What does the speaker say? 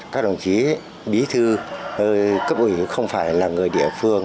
các đồng chí bí thư cấp ủy không phải là người địa phương